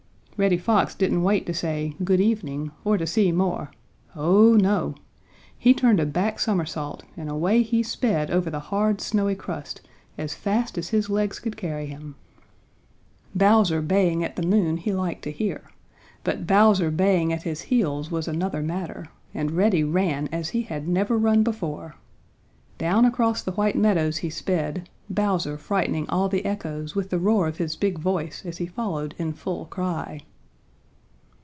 Reddy Fox didn't wait to say "Good evening," or to see more. Oh, no! He turned a back somersault and away he sped over the hard, snowy crust as fast as his legs could carry him. Bowser baying at the moon he liked to hear, but Bowser baying at his heels was another matter, and Reddy ran as he had never run before. Down across the White Meadows he sped, Bowser frightening all the echoes with the roar of his big voice as he followed in full cry.